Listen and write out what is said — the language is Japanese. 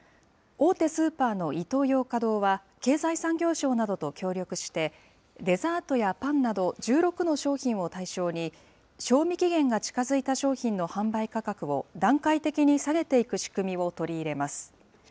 大手スーパーのイトーヨーカ堂は、経済産業省などと協力して、デザートやパンなど、１６の商品を対象に、賞味期限が近づいた商品の販売価格を段階的に下げていく仕組みを取り入れます。